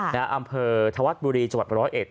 ในอำเภอทวัดบุรีจังหวัด๑๐๑